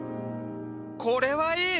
これはいい！